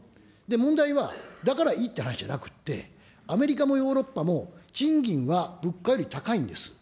問題はだからいいっていう話じゃなくて、アメリカもヨーロッパも賃金は物価より高いんです。